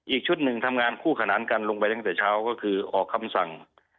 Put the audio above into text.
อีกชุดหนึ่งทำงานคู่ขนานกันลงไปตั้งแต่เช้าก็คือออกคำสั่ง